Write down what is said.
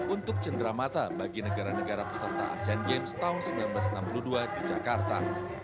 untuk cenderamata bagi negara negara peserta asean games tahun seribu sembilan ratus enam puluh dua di jakarta